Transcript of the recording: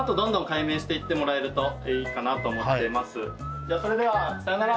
じゃあそれではさようなら！